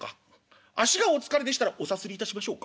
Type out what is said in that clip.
足がお疲れでしたらおさすりいたしましょうか？」。